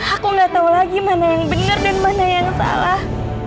aku gak tau lagi mana yang bener dan mana yang salah